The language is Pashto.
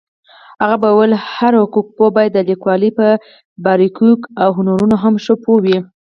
هغە به ویل هر حقوقپوه باید د لیکوالۍ په باريكييواو هنرونو هم ښه پوهوي.